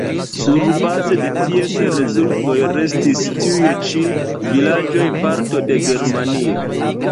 Surbaze de ties rezultoj restis tiuj ĉi vilaĝoj parto de Germanio.